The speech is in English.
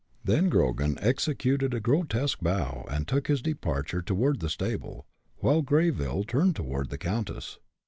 Then Grogan executed a grotesque bow and took his departure toward the stable, while Greyville turned toward the countess.